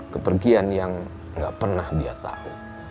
kepergian yang gak pernah dia tahu